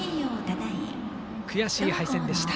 悔しい敗戦でした。